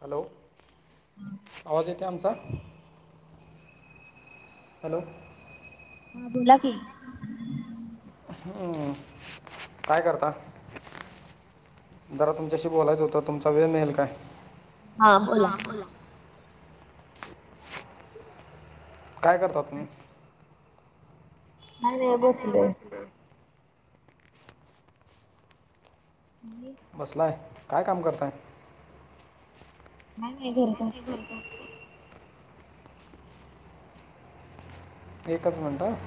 Hello आवाज येतोय आमचा हॅलो हा बोला की हम्म काय करता? जरा तुमच्याशी बोलायचं होतं तुमचा वेळ मिळेल काय? हा बोला. काय करता? तुम्ही. नाही नाही बस.. हो बसलोय. हे.. बसलाय काय? काम करताय? काय नाय घरात असलोय. एकच मिनिट.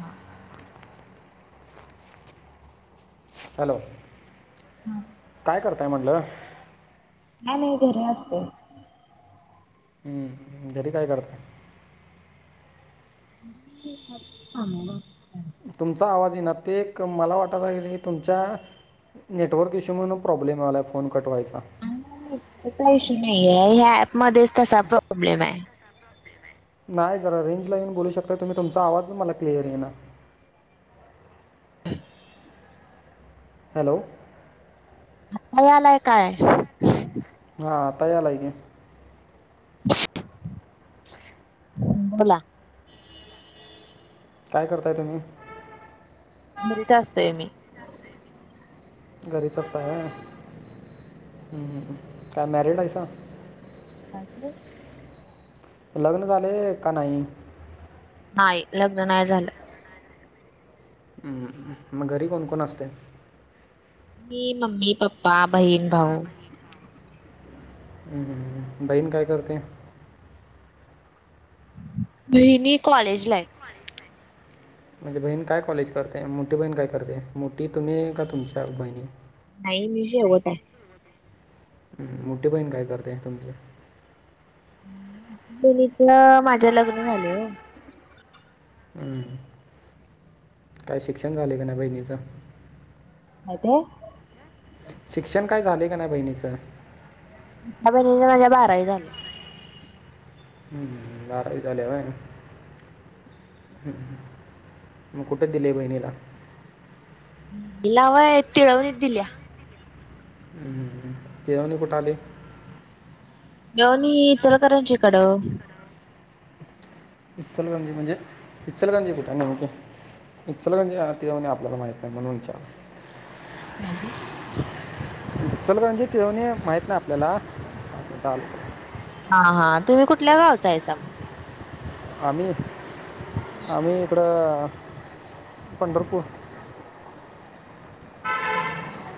हा.. हॅलो काय करताय? म्हटलं. आम्ही घरी असते. हं, घरी काय? करताय. आमबा [inaudible] तुमचा आवाज ये ना ते एक मला वाटत आहे तुमच्या.. नेटवर्क इश्यू म्हणून प्रॉब्लेम आलाय फोन कट व्हायचा. का इशू नाहीय ह्या ऍप मध्येच तसा प्रॉब्लेम आहे. नाही जरा रेंज ला येऊन बोलू शकता तुम्ही तुमचा आवाज मला क्लीअर येईना. ह.. हॅलो... मला यालाय काय? हा आताया यालाय की. बोला.. काय करताय तुम्ही? भरीत असतोय मी. घरीच असतय काय मॅरिड आहेस. अ.. लग्न झाले का नाही? नाही लग्न नाही झालं. मग घरी कोणकोण असतय. मिं मम्मी पप्पा बहीन भाऊ. हम् बहीण काय करते? ती कॉलेजला आहे. म्हणजे बहीण काय कॉलेज करते मोठी बहीण काय करते मोठी तुम्ही का तुमच्या बहिणी. नाही मी शेवट आहे. मोठे बहीण काय करतेय तुमची? बनीच माझ्या लग्न झालय. हम्म... काय शिक्षण झाले का ना बहिणीचं. काय ते? शिक्षण काय झाले का नाही बहिणीचं? माझ्या बहिणीची बारावी झाली. बराावी झाली होय. हम् मग कुठे दिले बहिणीला? तिला व्हय तीळवलीत दिल्या. हूं हूं हूं तीळवनी कुठ आली तिळवंनी ईचलकरंजीकडं ईचलकरणंजी म्हणजे ईचलकरणंजी कुठय नेमकी इचलकरणंजी आणि तीळवणी आपल्याला माहीत नाय म्हणून इचारलं काय ते इचलकरणंजी, तीळवणी माहित नाय आपल्याला हा हा, तुम्ही कुठल्या गावाचा हायसा म आम्ही आम्ही, इकडं अ पंढरपूर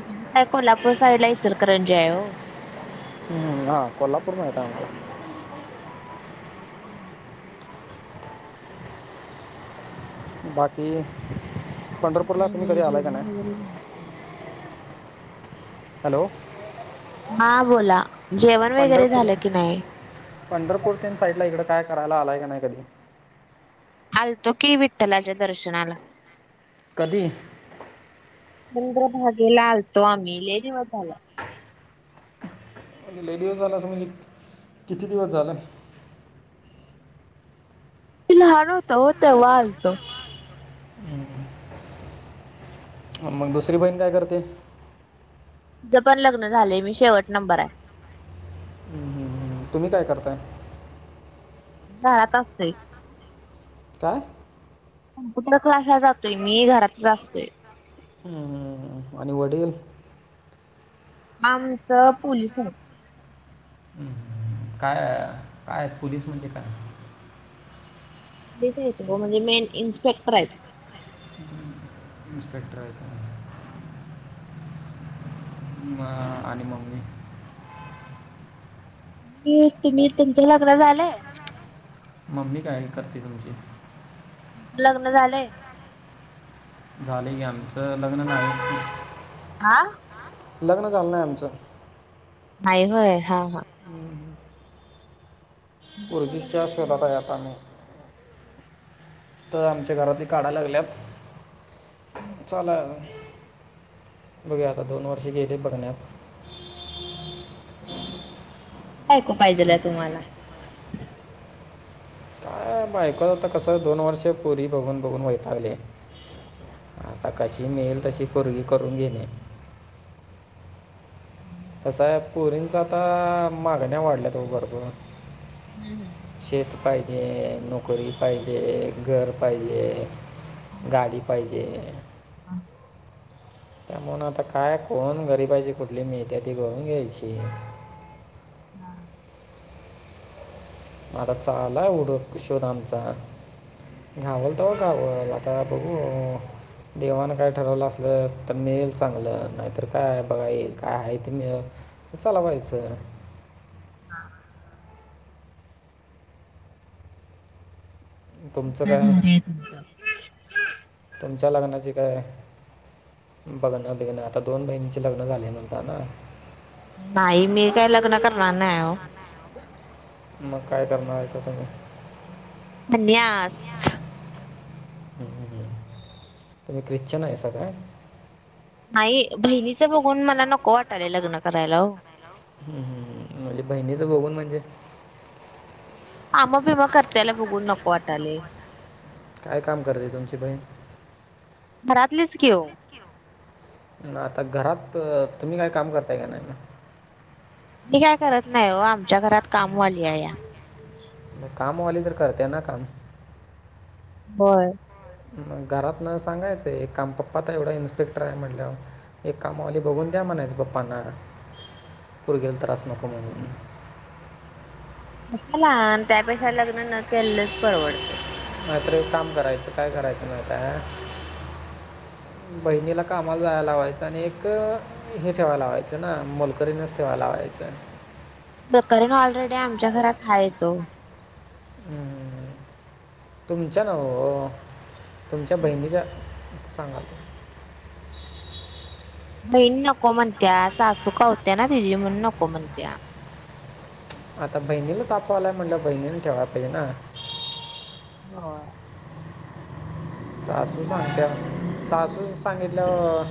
त्या कोल्हापूर साईड ला इचलकरणंजी हाय ओ ह हा, कोल्हापूर माहित हाय आम्हाला बाकी पंढरपूरला काही तुम्ही नाही कधी आलाय का जेवण नाय. वगैरे झालं. हॅलो मा बोला जेवण वगैरे पंढरपूर, झालं की नाही? पंढरपूर तिनं साईडला इकडं काय करायला आलंय का नाय कधी आलतो की, विठ्ठलाच्या दर्शनाला कधी? चंद्र भागेला आलतो आम्ही लय दिवस झाल लय दिवस झालं अस, म्हणजे किती दिवस झाल. पिल हार होता ओ, तेव्हा आलतो. हा मंग दुसरी बहीण काय करते? तीज पण लग्न झालेय. मी शेवट नंबर हाय. हम्म. तुम्ही काय करताय? घरात असते. का? कम्प्युटर क्लासला जातोय मी, घरातच असतोय. हम्म हम्म हम्म आणि वडील आमचं पोलीस आहेत. हम्म हम्म हम्म काय, काय पोलीस म्हणजे काय [unintelligible] म्हणजे मेन इन्स्पेक्टर आहेत. [unintelligible] इस्पेक्टर आहेत व्हय. [unintelligible] म आणि मम्मी की, तुम्ही तुमच लग्न झालंय. मम्मी काय करते तुमची लग्न झालंय. झालंय की, आमचं लग्न झालंय की हा लग्न झालं नाय आमचं नाही होय हा हा लग्न पोरगीच्या केलं शोधात हाय आता मी स्थळ आमच्या घरातली काढाय लागल्यात चला, बघु या आता, दोन वर्षे गेली बघण्यात हा बायको पाहिलेलं ये तुम्हाला? अं बायको नही त कसं होणार? दोन वर्ष पूरी बघून- बघून वैतागलोय. आता कशी मिळेल, तशी पोरगी करून घेणे. [inaudible] कसं पोरींचं आता मागण्या वाढल्या त भरपूर. हम् हम्. शेत पाहिजे, नोकरी पाहिजे, घर पाहिजे. गाडी पाहिजे हा, त्या म्हूनण आता काय कोण गरीबाची कुठली मिळते ती घिऊन घ्यायची. हा, माझा चाला उड [unintelligible] शोध आमचा. घावलं तेव्हा घावलं आता बघू. देवान काय ठरवलं असल तर मिळेल चांगलं, नाहीतर काय बघा येईल काय ते मिळंल चलावायचं हा, तुमचं काय, तुमच्या लग्नाची काय? बघाना झालोय ना आता दोन महिनंचे लग्न झाले म्हणता ना नाही मी काय लग्न करणार नाही ओ मग काय करणार आहेसा तुम्ही? संन्यास हं, हं, हं तुम्ही ख्रिश्चन आहेसा त काय? नाही बहिणीचं बघून मला नको वाटालंय लग्न करायला ओ. हम् -हम् म्हणजे बहिणीचं बघून म्हणजे? कामं बिमं करत्याला बघून नको वाटायले. काय काम करते, तुमची बहीण? घरातलीच कि ओ अन् आता घरात तुम्ही काय काम करताय का नाही म? मी काय करत नाही ओ, आमच्या घरात कामवाली आहे या. म कामवाली तर करत्या ना काम. होय, भ घरात न सांगायचंय एक काम पप्पा तर एवढा इन्स्पेक्टर आहे म्हटल्यावर एक कामावाली बघून द्या म्हणायच पप्पांना, पोरगी ला त्रास नको म्हणून. कशाला त्यापेक्षा लग्न न केलेलंच परवडते. नाहीतर काम करायचं, काय करायचं नाही का बहिणीला कामाला जायला लावायचं, आणि एक हे ठेवाय लावायचं ना, मोलकरीनच ठेवायला लावायचं. मोलकरीण ऑलरेडी आमच्या घरात आहेच ओ. ह्म्म, तुमच्या नाय ओ, तुमच्या बहिणीच्या सांगा बहीण नको म्हणत्या, सासू खवत्या ना तिची म्हणून नको म्हणत्या. आता बहिणीला ताप व्हायलाय म्हणल्यावर बहिणीने ठेवाय पाहिजे ना. होय. सासू सांगत्या, सासू नी सांगितलंया वर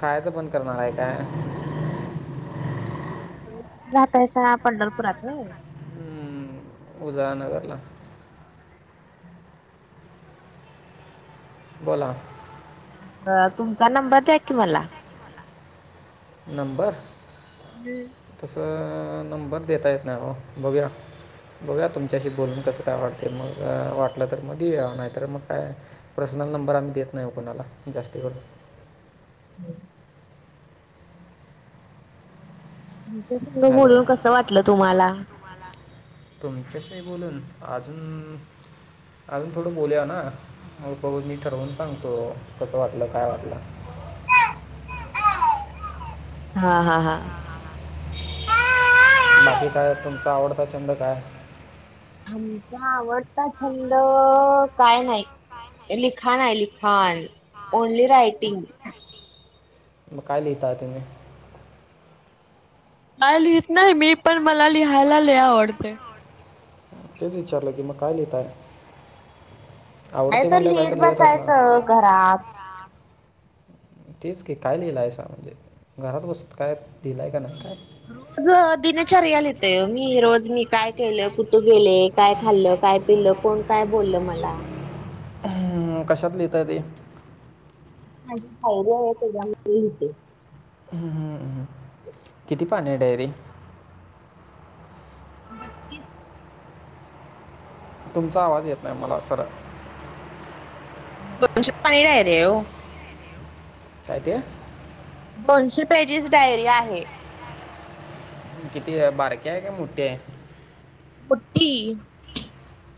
खायचं बंद करणार आहे काय? जाता अशा पंढरपुरात व्हयं तू जा नगरला. [inaudible] बोला. तुमचा नंबर द्या कि मला. नंबर हम् तस नंबर देता येत हो बघूया बगूया तुमच्याशी बोलून कसं काय वाटते मग वाटलं तर मग देऊया नाही तर मग काय पर्सनल नंबर आम्ही देत नाही कुणाला जास्ती करून हो. आमच्यास हॅलो बोलून कसं वाटलं तुम्हाला. तुमच्याशी बोलून अजून अजून थोडं बोलुया ना मग ठरवून सांगतो कसं वाटलं काय वाटलं. हा हा हा बाकी काय तुमचा आवडता छंद काय? आमचा आवडता छंद काय नाही. लिखाण आहे लिखाण ओनली रायटिंग. म काय लिहता तुम्ही.? काही लिहीत नाही पण, लिहायला आवडतं. तेच विचारलं की मग काय लिहताय. काहीतरी लिहत असणार बसायचं घरात. तेच की काय लिहिलायसा म्हणजे घरात बसत काय? लिहिलं आहे का नाही रोज दिनाचार्या लिहते मी रोज मी काय केलं कुठं गेले. काय खाल्लं, काय पिलं, कोण काय बोललं मला. कशात लिहिता ते. माझी डायरी आह ते त्याच्यामध्ये लिहिते. हम् हम्म् किती पान आहे डायरीत. बत्तीस. तुमचा आवाज येत नाही मला थोडा. दोनशे पाने आहे हो. काय ते? दोनशे पेजीस डायरी आहे. किती बारके आहे का मोठे आहे. मोट्टी...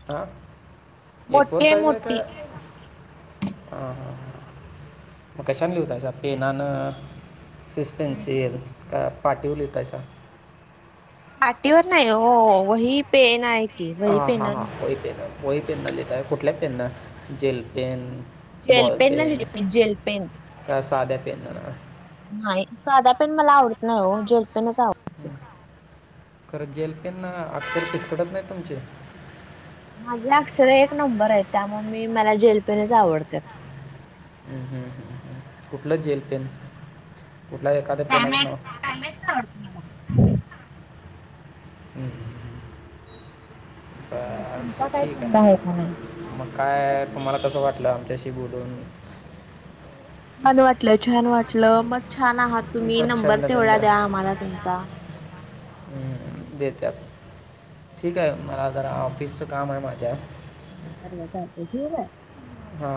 ह ए फोर मोठी आहे सईज हे का? मोठी. ह हा ह मग कशान लिहतायचा पेनन सिस्पेन्सल का पाठीव लीतासा पाटीवर नाही हो वही पेन आहे. की हा वही हा हा पेनाने होई पेन होई पेन न लिताय. कुठल्या पेन न जेल पेन जेल बॉल न पेन लिहिते मी जेल पेन का, सध्या पेनन. नाही साधा पेन मला आवडत नाही. हो जेल पेनच आवडतो. खरं जेल पेन अक्षर पिसकटत नाही तुमचे? माझ्या अक्षर एक नंबर आहे. त्यामुळे मी मला जेलपेनेच आवडतात. हम्म हम्म हम्म हम् कुठलं जेल पेन? कुठला एखाद्या पेनच नाव. [unintelligible] ह! म तुमचा काही छंद आहे का नाही? म काय तुम्हाला कसं वाटलं आमच्याशी बोलून! छान वाटलं छान वाटलं, मस छान आहात तुम्ही, तुमचा नंबर छंद तेवढा द्या आम्हाला तुमचा. हूं देत्यात. ठीक आहे मला जरा ऑफिसचं काम आहे माझ्या. [unintelligible] चालतंय ठुव वा. हा!